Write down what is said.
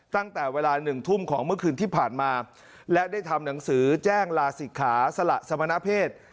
ตั้งแต่เวลาหนึ่งทุ่มของเมื่อคืนที่ผ่านมาและได้ทำหนังสือแจ้งลาศิกขาสละสมณเพศ